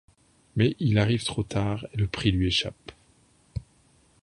Mais il arrive trop tard et le prix lui échappe...